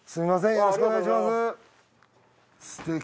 よろしくお願いします。